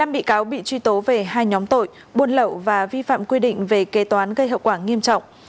một mươi năm bị cáo bị truy tố về hai nhóm tội buôn lậu và vi phạm quy định về kế toán gây hợp quả nghiêm trọng